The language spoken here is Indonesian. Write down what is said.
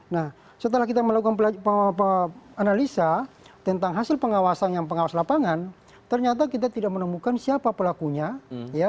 nah setelah kita melakukan analisa tentang hasil pengawasan yang pengawas lapangan ternyata kita tidak menemukan siapa pelakunya ya